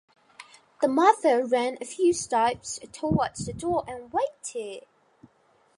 The mother ran a few steps towards the door and waited.